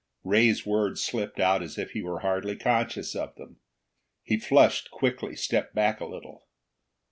Ray's words slipped out as if he were hardly conscious of them. He flushed quickly, stepped back a little.